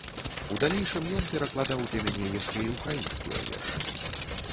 У далейшым ён перакладаў для мяне яшчэ і ўкраінскія вершы.